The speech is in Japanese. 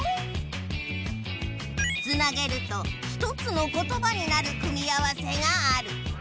つなげると１つのことばになる組み合わせがある。